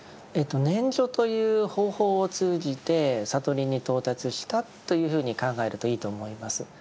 念処という方法を通じて悟りに到達したというふうに考えるといいと思います。